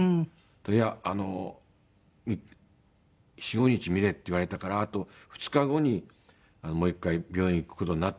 「いや４５日見れって言われたからあと２日後にもう１回病院行く事になってる」って。